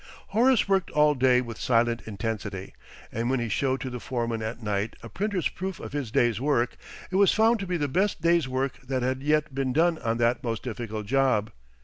Horace worked all day with silent intensity, and when he showed to the foreman at night a printer's proof of his day's work, it was found to be the best day's work that had yet been done on that most difficult job.